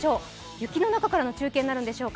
雪の中からになるでしょうか。